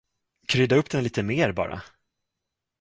Krydda upp den lite mer, bara.